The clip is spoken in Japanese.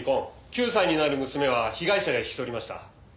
９歳になる娘は被害者が引き取りました。